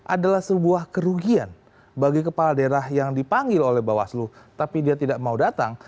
adalah sebuah kerugian bagi kepala daerah yang dipanggil oleh bawaslu tapi dia tidak mau datang